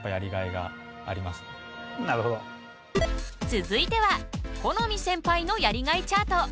続いては許斐センパイのやりがいチャート。